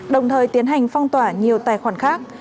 đồng thời tiến hành phong tỏa nhiều tài khoản khác